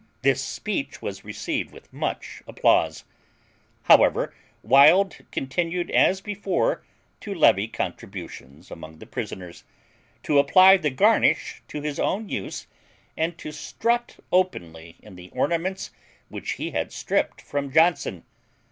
This speech was received with much applause; however, Wild continued as before to levy contributions among the prisoners, to apply the garnish to his own use, and to strut openly in the ornaments which he had stripped from Johnson.